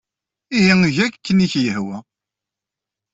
Ihi eg akken ay ak-yehwa.